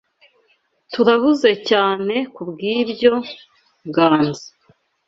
Turahuze cyane kubwibyo, Ganza.